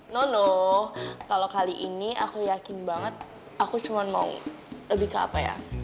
nono kalau kali ini aku yakin banget aku cuma mau lebih ke apa ya